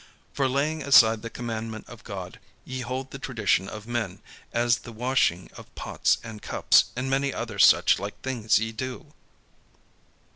For laying aside the commandment of God, ye hold the tradition of men, as the washing of pots and cups; and many other such like things ye do."